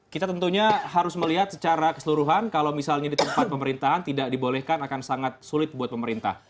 kita tentunya harus melihat secara keseluruhan kalau misalnya di tempat pemerintahan tidak dibolehkan akan sangat sulit buat pemerintah